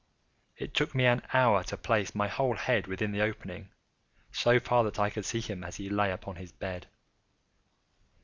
It took me an hour to place my whole head within the opening so far that I could see him as he lay upon his bed.